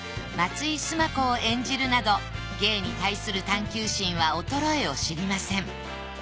松井須磨子を演じるなど芸に対する探究心は衰えを知りません。